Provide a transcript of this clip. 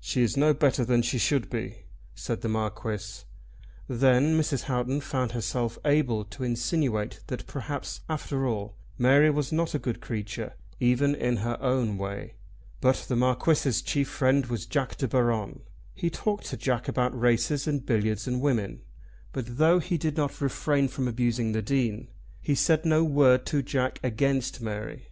"She is no better than she should be," said the Marquis. Then Mrs. Houghton found herself able to insinuate that perhaps, after all, Mary was not a good creature, even in her own way. But the Marquis's chief friend was Jack De Baron. He talked to Jack about races and billiards, and women; but though he did not refrain from abusing the Dean, he said no word to Jack against Mary.